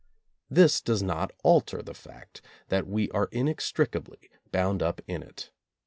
This does not alter the fact that we are inextricably bound up in it.